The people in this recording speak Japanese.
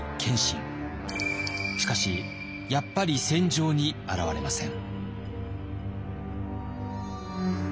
しかしやっぱり戦場に現れません。